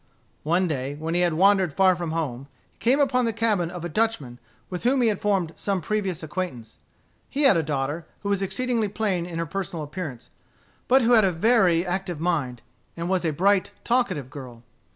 One day, when he had wandered far from home, he came upon the cabin of a Dutchman with whom he had formed some previous acquaintance. He had a daughter, who was exceedingly plain in her personal appearance, but who had a very active mind, and was a bright, talkative girl.